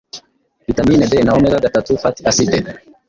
Vitamin D na omega-gatatu fatty acide